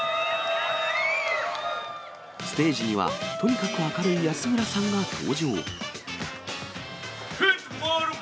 ステージには、とにかく明るい安村さんが登場。